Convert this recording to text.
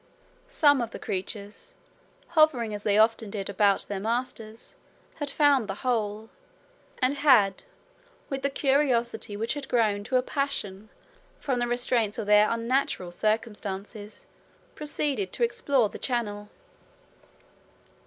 Some of the creatures, hovering as they often did about their masters, had found the hole, and had, with the curiosity which had grown to a passion from the restraints of their unnatural circumstances, proceeded to explore the channel.